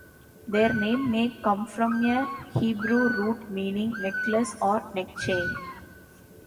Their name may come from a Hebrew root meaning "necklace" or "neck-chain".